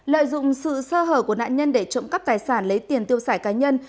lợi dụng sự sơ hở của nạn nhân để trộm cắp tài sản lấy tiền tiêu xài cá nhân